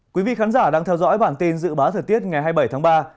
quý vị khán giả đang theo dõi bản tin dự báo thời tiết ngày hai mươi bảy tháng ba